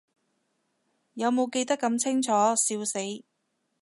有無記得咁清楚，笑死